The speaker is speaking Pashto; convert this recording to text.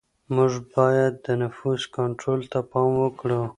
موږ باید د نفوس کنټرول ته پام وکړو.